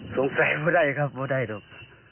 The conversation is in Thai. สงสัยไม่ได้ครับไม่ได้หรอก